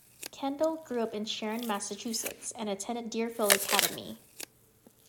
Kendall grew up in Sharon, Massachusetts and attended Deerfield Academy.